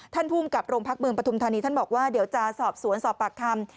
ท่านภูมิกับโรงพักบืมประทุมธานีท่านบอกว่าเดี๋ยวจะสอบสวนสอบปากธรรม